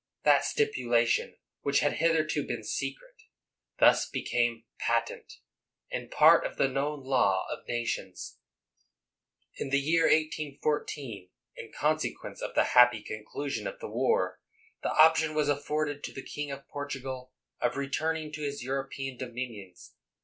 That stipulation, which had hitherto been secret, thus became patent, and part of the known law of nations. In the year 1814, in consequence of the happy conclusion of the war, the option was afforded to the king of Portugal of returning to his European dominions.